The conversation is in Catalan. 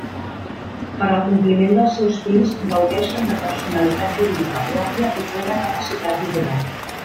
Per al compliment dels seus fins gaudixen de personalitat jurídica pròpia i plena capacitat d'obrar.